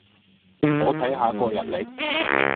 我睇下個日曆